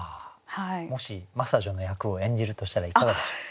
もし真砂女の役を演じるとしたらいかがでしょう？